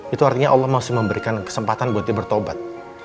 itu artinya allah masih memberikan kesempatan buat dia bertobat